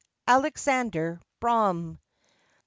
Alexander Brome.